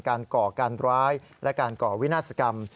ก่อการร้ายและการก่อวินาศกรรม